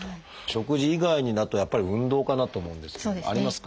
食事以外になるとやっぱり運動かなと思うんですけどありますか？